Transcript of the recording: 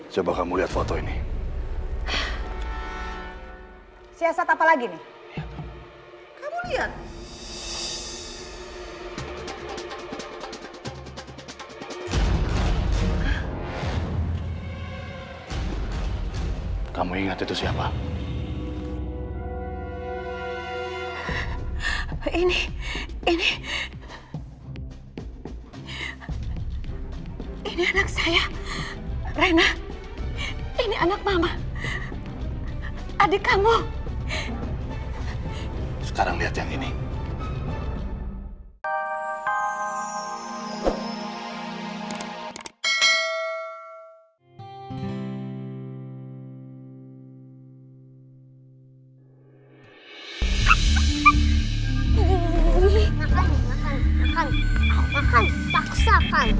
sampai jumpa di video selanjutnya